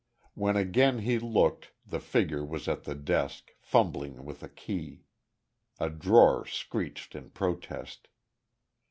When again he looked, the figure was at the desk, fumbling with a key.... A drawer screeched in protest.